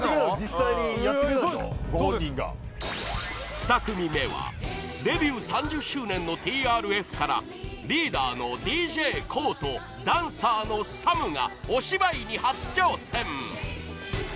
［２組目はデビュー３０周年のＴＲＦからリーダーのＤＪＫＯＯとダンサーのＳＡＭがお芝居に初挑戦］